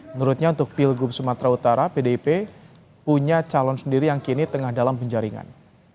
menurutnya untuk pilgub sumatera utara pdip punya calon sendiri yang kini tengah dalam penjaringan